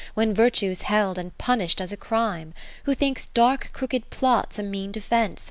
When Virtue's held and punish'd as a crime Who thinks dark crooked plots a mean defence.